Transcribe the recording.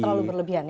terlalu berlebihan ya